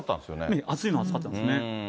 ええ、暑いのは暑かったですね。